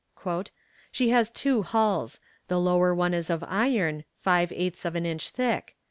"She has two hulls. The lower one is of iron, five eighths of an inch thick.